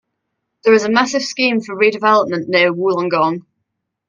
There is a massive scheme for redevelopment near Wollongong.